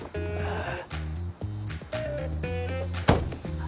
ああ。